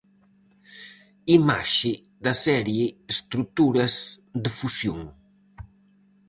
Imaxe da serie Estruturas de fusión.